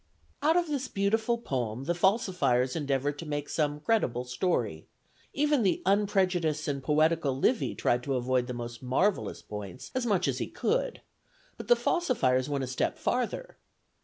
Out of this beautiful poem the falsifiers endeavored to make some credible story: even the unprejudiced and poetical Livy tried to avoid the most marvellous points as much as he could, but the falsifiers went a step farther.